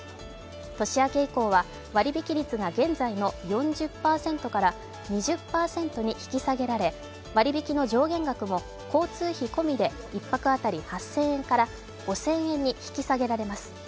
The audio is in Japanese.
年明け以降は割引率が現在の４０％から２０％に引き下げられ割引の上限額も交通費込みで１泊当たり８０００円から５０００円に引き下げられます。